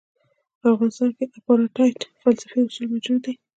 په افغانستان کې د اپارټایډ فلسفي اصول موجود دي.